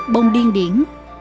bông điên điển